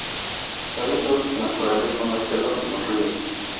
Sus hábitats naturales son las selvas y lor ríos.